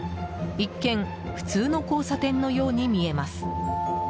一見、普通の交差点のように見えます。